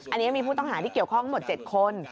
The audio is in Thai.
อันนี้มีผู้ต้องหาที่เกี่ยวข้องทั้งหมด๗คน